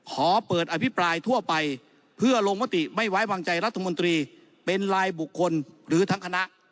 ขอเปิดอภิปรายทั่วไปเพื่อลงมติไม่ไว้วางใจรัฐมนตรีเป็นลายบุคคลหรือทั้งคณะ